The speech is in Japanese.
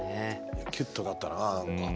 いやキュッとなったな何か。